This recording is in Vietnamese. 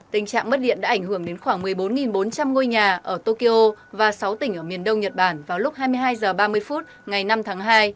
tình trạng mất điện đã ảnh hưởng đến khoảng một mươi bốn bốn trăm linh ngôi nhà ở tokyo và sáu tỉnh ở miền đông nhật bản vào lúc hai mươi hai h ba mươi phút ngày năm tháng hai